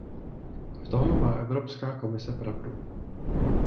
V tom má Evropská komise pravdu.